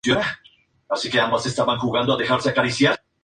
Rara vez se aceptaban niños mayores de doce meses de edad.